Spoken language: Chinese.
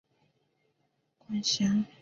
本站现由济南铁路局管辖。